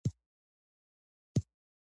جګړه باید د حق لپاره وي.